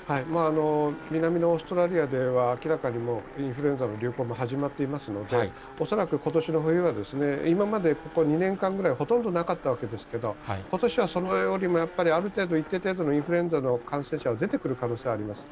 南のオーストラリアでは、明らかにインフルエンザの流行も始まっていますので、恐らくことしの冬は、今まで、ここ２年間ぐらい、ほとんどなかったわけですけど、ことしはそれよりも、ある程度、一定程度のインフルエンザの感染者が出てくる可能性はあります。